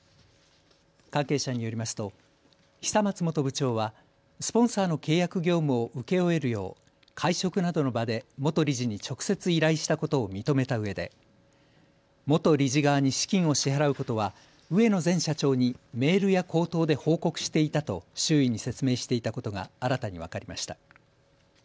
関係者によりますと久松元部長はスポンサーの契約業務を請け負えるよう会食などの場で元理事に直接依頼したことを認めたうえで元理事側に資金を支払うことは植野前社長にメールや口頭で報告していたと周囲に説明していたことが新たに分かりました。